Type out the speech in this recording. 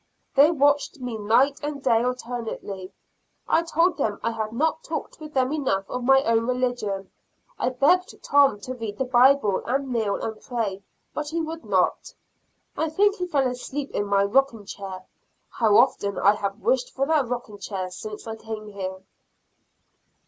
They watched me night and day alternately. I told them I had not talked with them enough of my own religion. I begged Tom to read the Bible and kneel and pray, but he would not; I think he fell asleep in my rocking chair (how often I have wished for that rocking chair since I came here).